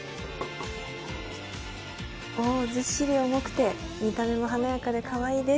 ずっしり重くて、見た目も華やかでかわいいです。